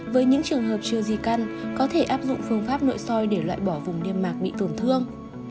với những trường hợp chưa di căn có thể áp dụng phương pháp nội soi để loại bỏ vùng niêm mạc bị tổn thương